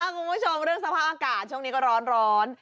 คุณผู้ชมเรื่องสภาพอากาศช่วงนี้ก็ร้อน